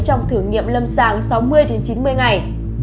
trong thử nghiệm lâm sàng sáu mươi chín mươi ngày